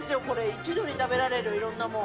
一度に食べられる、いろんなもん。